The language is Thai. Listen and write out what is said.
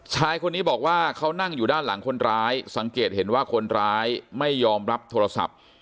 ชายคนนี้บอกว่าเขานั่งอยู่ด้านหลังคนร้ายสังเกตเห็นว่าคนร้ายไม่ยอมรับโทรศัพท์